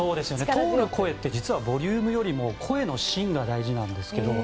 通る声って実はボリュームよりも芯が大事なんですけど。